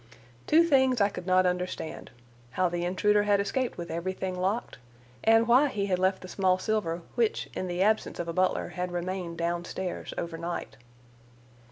Two things I could not understand: how the intruder had escaped with everything locked, and why he had left the small silver, which, in the absence of a butler, had remained down stairs over night.